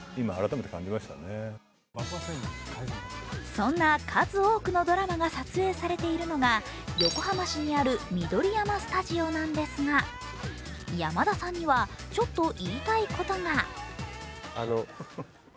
そんな数多くのドラマが撮影されているのが横浜市にある緑山スタジオなんですが、山田さんにはちょっと言いたいことが。